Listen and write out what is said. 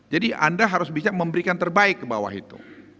jadi anda harus bisa memberikan terbaik ke bawah itu